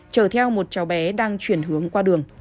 chở theo một cháu bé đang chuyển hướng qua đường